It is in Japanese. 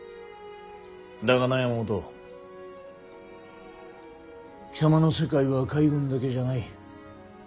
だがな山本貴様の世界は海軍だけじゃない。